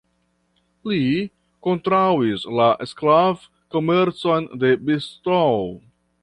Li kontraŭis la sklav-komercon de Bristol.